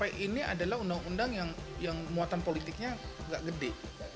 ini adalah undang undang yang muatan politiknya gak gede